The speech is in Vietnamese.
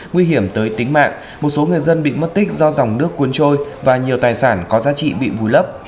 nguy hiểm tới tính mạng một số người dân bị mất tích do dòng nước cuốn trôi và nhiều tài sản có giá trị bị vùi lấp